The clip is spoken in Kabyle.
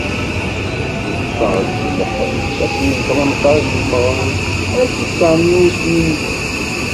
Yeffeɣ-d si lḥebs ass n tmenṭac deg meɣres alef u tesεemya u tnin u settin.